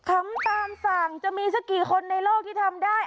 คำตามสั่งจะมีสักกี่คนในโลกที่ทำได้